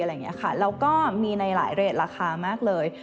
แล้วก็มีในหลายเรทราคามากเลย